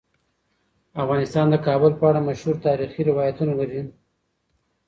افغانستان د کابل په اړه مشهور تاریخی روایتونه لري.